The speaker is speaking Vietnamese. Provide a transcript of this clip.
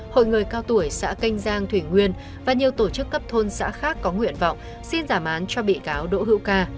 hội người cao tuổi xã canh giang thủy nguyên và nhiều tổ chức cấp thôn xã khác có nguyện vọng xin giảm án cho bị cáo đỗ hữu ca